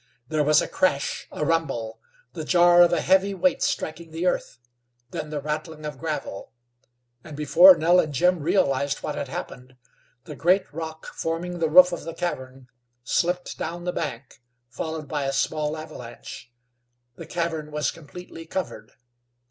There was a crash, a rumble, the jar of a heavy weight striking the earth, then the rattling of gravel, and, before Nell and Jim realized what had happened, the great rock forming the roof of the cavern slipped down the bank followed by a small avalanche. The cavern was completely covered.